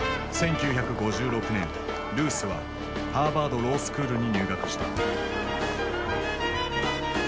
１９５６年ルースはハーバード・ロースクールに入学した。